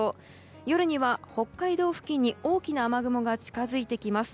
夜には北海道付近に大きな雨雲が近づいてきます。